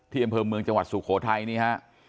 อำเภอเมืองจังหวัดสุโขทัยนี่ฮะ